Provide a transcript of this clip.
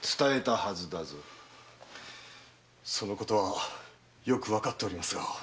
そのことはよくわかっておりますが。